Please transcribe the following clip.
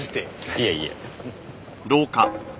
いえいえ。